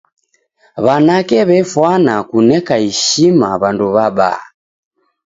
W'anake w'efwana kuneka ishima w'andu w'abaa.